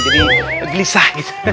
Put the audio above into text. jadi gelisah gitu